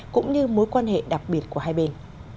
cũng như mối quan hệ đặc biệt của hai bên